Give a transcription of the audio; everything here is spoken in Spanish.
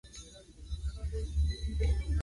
Ese día, el paciente no debe comer nada.